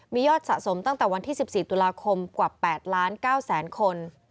มียอดสะสมตั้งแต่วันที่๑๔ตุลาคมกว่า๘ล้าน๙แสนคน